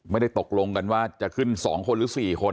ไม่ได้ตกลงกันว่าจะขึ้น๒คนหรือ๔คน